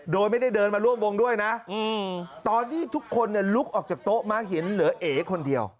โดยไม่ได้เดินมาร่วมวงด้วยนะตอนที่ทุกคนลุกออกจากโต๊ะมาเห็นเหลือเอคนเดียว